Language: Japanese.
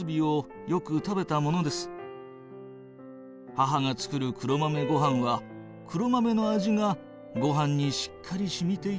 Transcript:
「母がつくる黒豆ごはんは、黒豆の味がごはんにしっかり染みていておいしかった。